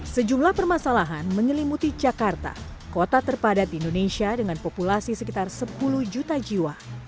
sejumlah permasalahan menyelimuti jakarta kota terpadat di indonesia dengan populasi sekitar sepuluh juta jiwa